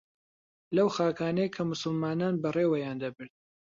لەو خاکانەی کە موسڵمانان بەڕێوەیان دەبرد